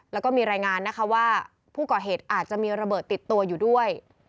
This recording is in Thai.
แล้วก็มีรายงานนะคะว่าผู้ก่อเหตุอาจจะมีระเบิดติดตัวอยู่ด้วย